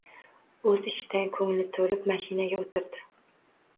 O‘z ishidan ko‘ngli to‘lib mashinaga o‘tirdi.